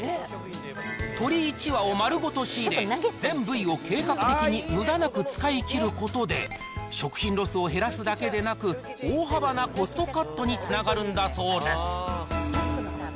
鶏１羽を丸ごと仕入れ、全部位を計画的にむだなく使い切ることで、食品ロスを減らすだけでなく、大幅なコストカットにつながるんだそうです。